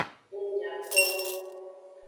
Ng nya ko nu.